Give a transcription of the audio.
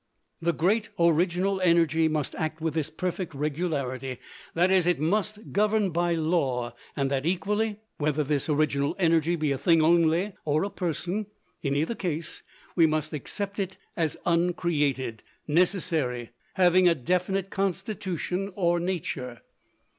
The great original energy must act with this perfect regularity that is, it must govern by law, and that equally, whether this original energy be a thing only, or a person. In either case, we must accept it as uncreated, necessary, having a definite constitution or nature.